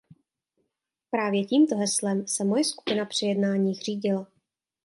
Právě tímto heslem se moje skupina při jednáních řídila.